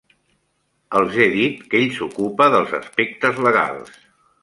Els he dit que ell s'ocupa dels aspectes legals.